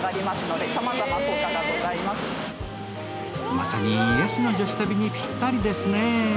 まさに癒しの女子旅にぴったりですね。